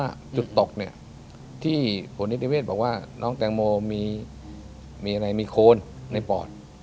จุดตกเนี่ยที่ผลนิติเวศบอกว่าน้องแตงโมมีอะไรมีโคนในปอด